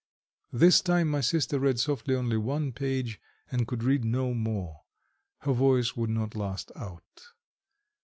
This time my sister read softly only one page, and could read no more: her voice would not last out.